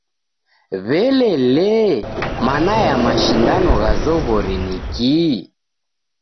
W'ele lee, mana ya mashindano gha zoghori ni kii?